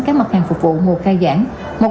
các mặt hàng phục vụ mùa khai giảng